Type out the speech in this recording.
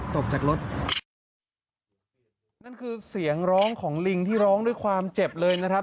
ตกจากรถนั่นคือเสียงร้องของลิงที่ร้องด้วยความเจ็บเลยนะครับ